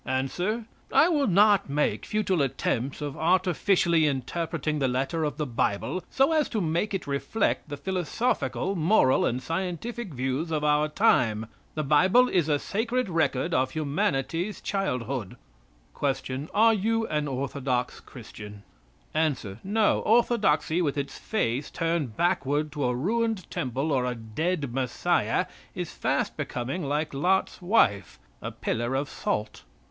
Answer. "I will not make futile attempts of artificially interpreting the letter of the Bible so as to make it reflect the philosophical, moral and scientific views of our time. The Bible is a sacred record of humanity's childhood." Q. Are you an orthodox Christian? A. "No. Orthodoxy, with its face turned backward to a ruined temple or a dead Messiah, is fast becoming like Lot's wife, a pillar of salt."